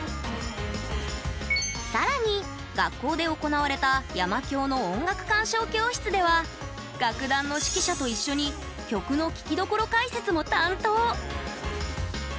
さらに、学校で行われた山響の音楽鑑賞教室では楽団の指揮者と一緒に曲の聴きどころ解説も担当。